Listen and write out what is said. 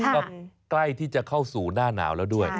ก็ใกล้ที่จะเข้าสู่หน้าหนาวแล้วด้วย